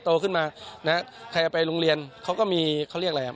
ตัวขึ้นมาใครไปโรงเรียนเขาก็มีเขาเรียกอะไร